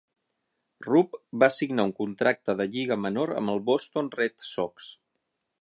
Rupe va signar un contracte de lliga menor amb el Boston Red Sox.